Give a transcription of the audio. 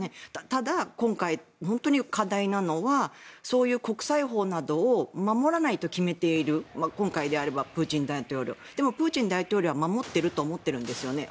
ただ、今回、本当に課題なのはそういう国際法などを守らないと決めている今回であればプーチン大統領でも、プーチン大統領は守ってると思ってるんですよね。